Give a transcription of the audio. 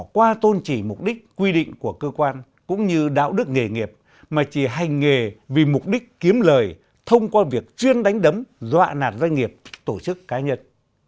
qua tôn trì mục đích quy định của cơ quan cũng như đạo đức nghề nghiệp mà chỉ hành nghề vì mục đích kiếm lời thông qua việc chuyên đánh đấm dọa nạt doanh nghiệp tổ chức cá nhân